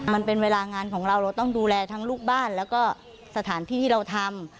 มันเป็นเวลางานของเราเราต้องดูแลทั้งลูกบ้านแล้วก็สถานที่ที่เราทำ